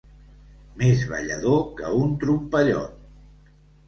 Més ballador que un trompellot.